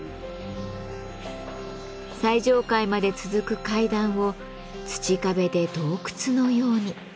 最上階まで続く階段を土壁で洞窟のように。